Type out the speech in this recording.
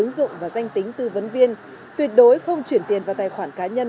ứng dụng và danh tính tư vấn viên tuyệt đối không chuyển tiền vào tài khoản cá nhân